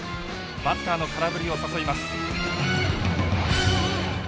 バッターの空振りを誘います。